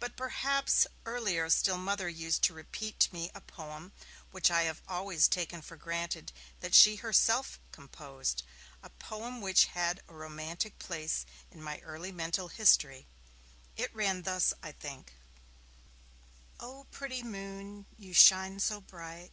But perhaps earlier still my Mother used to repeat to me a poem which I have always taken for granted that she had herself composed, a poem which had a romantic place in my early mental history. It ran thus, I think: O pretty Moon, you shine so bright!